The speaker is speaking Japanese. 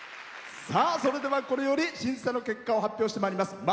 それでは、これより審査の結果を発表してまいります。